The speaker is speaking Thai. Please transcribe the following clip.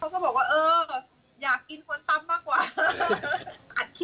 ก็ไม่มีคนสนใจนะ